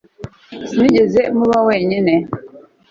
Sinigeze muba wenyine